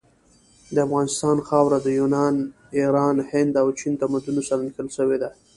د افغانستان خاوره د یونان، ایران، هند او چین تمدنونو سره نښلول سوي ده.